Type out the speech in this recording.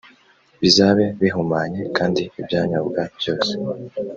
bizabe bihumanye kandi ibyanyobwa byose